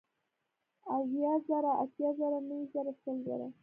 اويه زره ، اتيا زره نوي زره سل زره